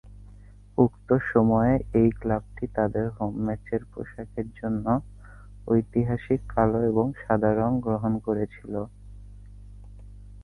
উক্ত সময়ে এই ক্লাবটি তাদের হোম ম্যাচের পোশাকের জন্য ঐতিহাসিক কালো এবং সাদা রঙ গ্রহণ করেছিল।